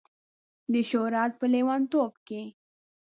د شهرت په لیونتوب کې